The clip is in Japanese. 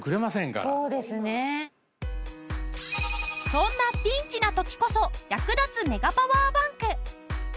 そんなピンチな時こそ役立つメガパワーバンク。